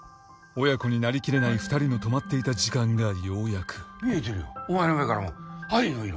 親子になり切れない２人の止まっていた時間がようやく見えてるよ。